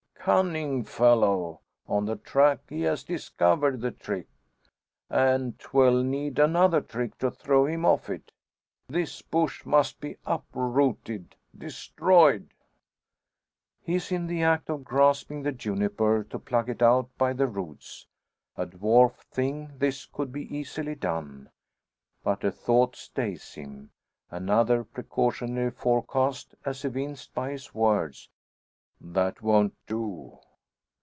Cunning fellow! On the track he has discovered the trick, and 'twill need another trick to throw him off it. This bush must be uprooted destroyed." He is in the act of grasping the juniper to pluck it out by the roots. A dwarf thing, this could be easily done. But a thought stays him another precautionary forecast, as evinced by his words "That won't do."